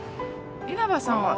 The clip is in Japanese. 稲葉さんは。